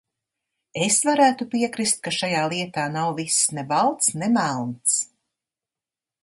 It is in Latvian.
Es varētu piekrist, ka šajā lietā nav viss ne balts, ne melns.